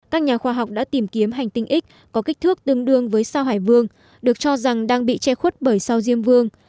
các nhà khoa học đã tìm kiếm hành tinh x có kích thước tương đương với sao hải vương được cho rằng đang bị che khuất bởi sao diêm vương